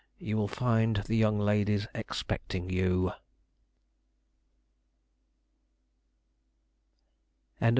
You will find the young ladies expecting you."